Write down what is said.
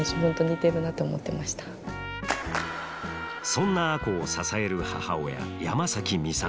そんな亜子を支える母親山崎美里。